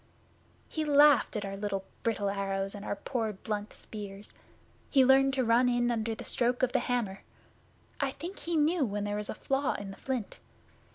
'He laughed at our little brittle arrows and our poor blunt spears. He learned to run in under the stroke of the hammer. I think he knew when there was a flaw in the flint.